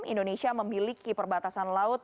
indonesia memiliki perbatasan laut